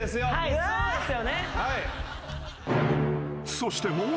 ［そしてもう一人］